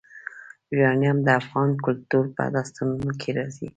یورانیم د افغان کلتور په داستانونو کې راځي.